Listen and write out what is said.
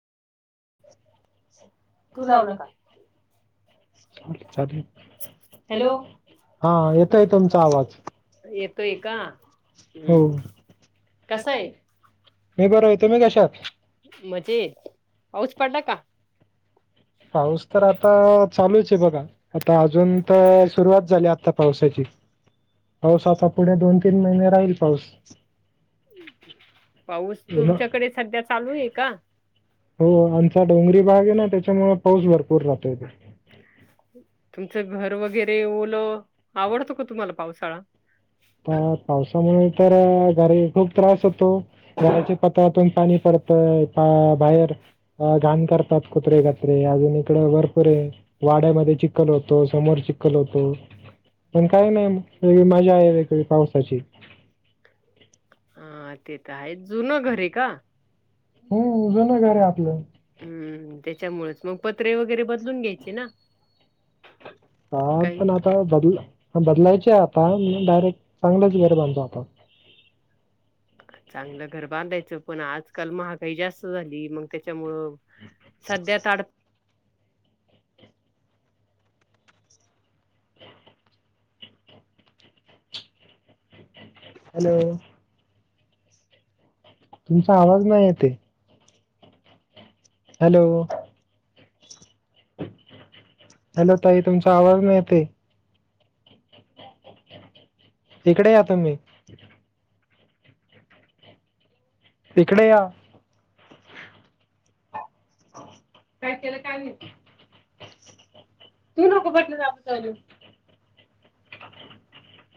तू लावला चाले चालेल. हॅलो! हा येतोय तुमचा आवाज, येतोय का? हम्म, कस आहे? मी बरा आहे तुम्ही कसा आहे? मजेत पाऊस पडला का? पाऊस तर आता चालूच आहे बघा आता अजून तर सुरुवात झाली आता. पावसाची पाऊस आता पुढे दोन तीन महिने राहील पाऊस. पाऊस तुमच्याकडे सध्या चालूय का? हो, आमचा डोंगरी भाग आहे ना त्याच्यामुळे पाऊस भरपूर राहतो इथे तुमचं घर वगैरे ओलं, आवडतो का तुम्हाला पावसाळा? पा, पावसामुळे तर घरी खूप त्रास होतो, घराच्या पत्रातून पाणी पडतय पा, बाहेर अ, घाण करतात कुत्रे, कात्रे अजून इकड भरपूर हेय वाड्यामध्ये चिखल होतो समोर चिखल होतो पण काय नाही, वेगळी मजा आहे वेगळी पावसाची हा ते तर आहे, जुनं घर हे का? हो जुनं घरय आपलं हम्म, त्येच्यामुळेच मग पत्रे वगैरे ब हा पण आत आता बद, बदलायचे आता डायरेक्ट चांगलेच घर बांधतो आता चांगलं घर बांधायचं, पण आजकाल महागाई जास्त झाली मग त्याच्यामुळ सध्या ताड हॅलो तुमचा आवाज नाही येत हे हॅलो हॅलो ताई तुमचा आवाज नाही येतय इकडे या तुम्ही तिकडे या काय केलं काय माहिती, येवू नको म्हटलं जा [unintelligible]